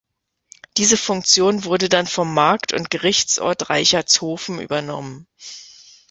Diese Funktion wurde dann vom Markt- und Gerichtsort Reichertshofen übernommen.